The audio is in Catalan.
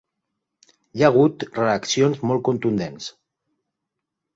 Hi ha hagut reaccions molt contundents.